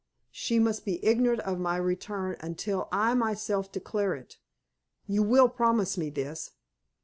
She must be ignorant of my return until I myself declare it. You will promise me this?"